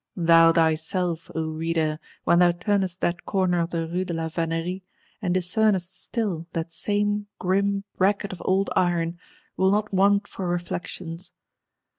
—Thou thyself, O Reader, when thou turnest that corner of the Rue de la Vannerie, and discernest still that same grim Bracket of old Iron, wilt not want for reflections.